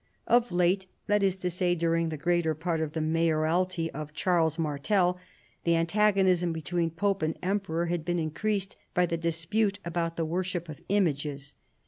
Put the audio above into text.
Of late — that is to say, during the greater part of the mayoralty of Charles Martel — the antagonism between pope and emperor had been increased by the dispute about the worship of images.